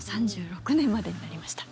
３６年までになりました。